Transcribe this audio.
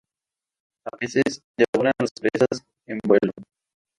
A veces, devoran las presas en vuelo.